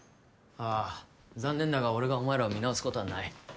・あ残念だが俺がお前らを見直すことはない。